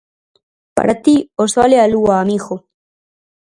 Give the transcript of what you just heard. Para ti o sol e a lúa amigo!